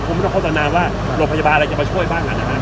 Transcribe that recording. ผมไม่ต้องโฆษณาว่าโรงพยาบาลอะไรจะมาช่วยบ้าง